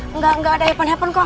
enggak enggak ada happen happen kok